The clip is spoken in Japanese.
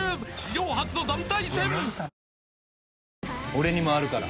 「俺にもあるから。